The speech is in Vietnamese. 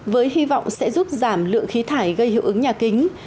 với hy vọng sẽ giúp giảm lượng khí thải gây hiệu ứng nhà kính